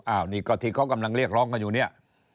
อันนี้ก็ที่เขากำลังเรียกร้องกันอยู่เนี่ย